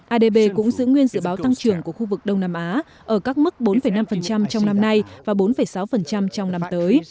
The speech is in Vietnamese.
adb cũng giữ nguyên dự báo tăng trưởng của khu vực đông nam á ở các mức bốn năm trong năm nay và bốn sáu trong năm tới